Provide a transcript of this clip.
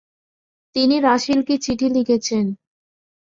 তিনি রাসেলকে চিঠি লিখেছেন।